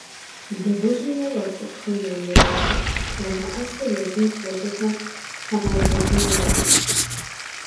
Дыгъужьым ещӀэ цӀыхухэм я мурадыр - ягъэӀэсэу езым хуэдэхэм пагъэувыжыну аращ.